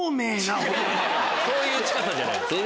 そういう近さじゃないです。